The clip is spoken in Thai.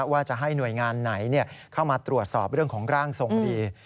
ว่าจะให้หน่วยงานไหนเข้ามาตรวจสอบเรื่องของร่างทรงดี